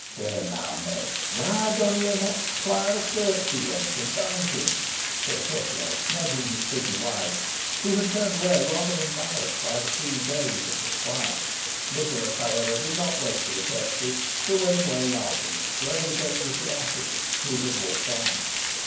"Theere now, Meg, whoy dunna ye may t' squoire a curtsy, wench, an thonk him," said Tetlow, nudging his pretty wife, who had turned away, rather embarrassed by the free gaze of the squire. Nicholas, however, did not wait for the curtsy, but went away, laughing, to overtake Richard Assheton, who had walked on.